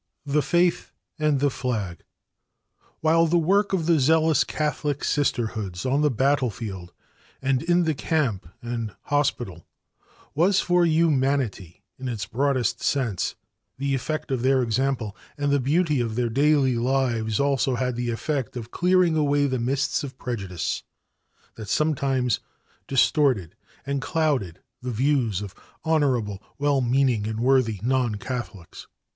THE FAITH AND THE FLAG. While the work of the zealous Catholic Sisterhoods on the battlefield and in the camp and hospital was for humanity in its broadest sense the effect of their example and the beauty of their daily lives also had the effect of clearing away the mists of prejudice that sometimes distorted and clouded the views of honorable, well meaning and worthy non Catholics.